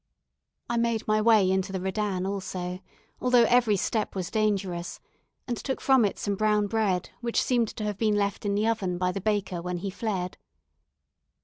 I made my way into the Redan also, although every step was dangerous, and took from it some brown bread, which seemed to have been left in the oven by the baker when he fled.